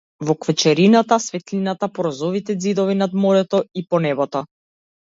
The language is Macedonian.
Во квечерината, светлина по розовите ѕидови над морето и по небото.